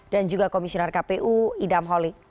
dan juga komisioner kpu idham holly